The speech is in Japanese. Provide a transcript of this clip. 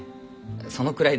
そのくらいで。